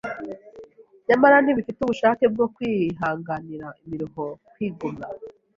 nyamara ntibafite ubushake bwo kwihanganira imiruho, kwigomwa